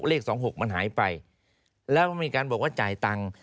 เลข๒๖มันหายไปแล้วก็มีการบอกว่าจ่ายตังค์